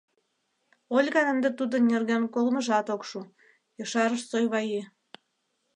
— Ольган ынде тудын нерген колмыжат ок шу, — ешарыш Сойваи.